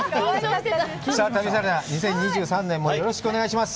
旅サラダ、２０２３年もよろしくお願いします。